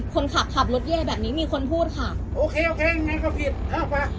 ขับรถแย่แบบนี้มีคนพูดค่ะโอเคโอเคงั้นก็ผิดอ้าวไป